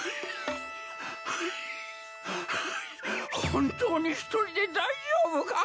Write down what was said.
本当に一人で大丈夫か？